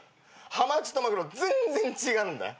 ハマチとマグロ全然違うんだよ。